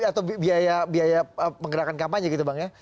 atau biaya penggerakan kampanye gitu bang ya